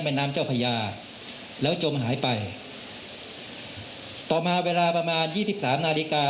แม่น้ำเจ้าพญาแล้วจมหายไปต่อมาเวลาประมาณยี่สิบสามนาฬิกา